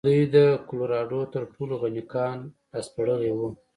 دوی د کولراډو تر ټولو غني کان راسپړلی و.